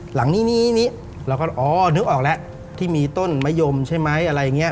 หลังนี้เราก็อ๋อนึกออกแล้วที่มีต้นมะยมใช่ไหมอะไรอย่างนี้